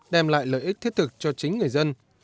đem lại lợi ích thiết thực cho chính người dân